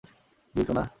Gym, সোনা?